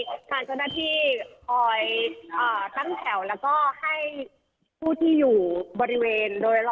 ทางเจ้าหน้าที่คอยตั้งแถวแล้วก็ให้ผู้ที่อยู่บริเวณโดยรอบ